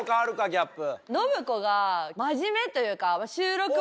ギャップ。